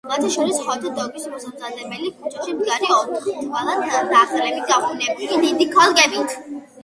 მათ შორის, ჰოთ-დოგის მოსამზადებელი, ქუჩაში მდგარი ოთხთვალა დახლები, გახუნებული დიდი ქოლგებით.